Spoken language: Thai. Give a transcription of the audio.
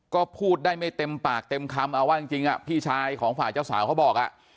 ก็พูดได้ไม่เต็มปากเต็มคำเอาว่าจริงพี่ชายของฝ่ายเจ้าสาวเขาบอก